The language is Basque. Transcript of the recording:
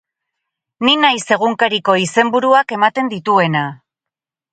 Ni naiz egunkariko izenburuak ematen dituena!